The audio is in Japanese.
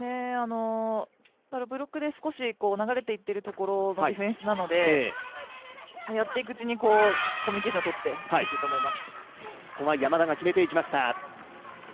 ブロックで少し流れていっているところのディフェンスなのでやっていくうちに、コミュニケーションをとっていってもらいたいと思います。